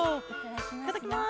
いただきます。